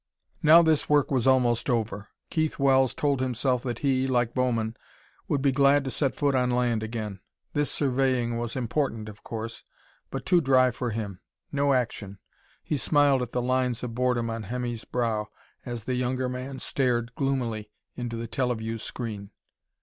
Now this work was almost over. Keith Wells told himself that he, like Bowman, would be glad to set foot on land again. This surveying was important, of course, but too dry for him no action. He smiled at the lines of boredom on Hemmy's brow as the younger man stared gloomily into the teleview screen.